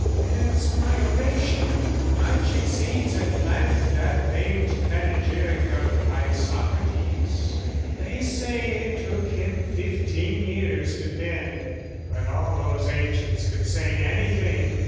There's my oration much exceeds in length That famed Panegyric of Isocrates, They say it took him fifteen years to pen. But all those ancients could say anything!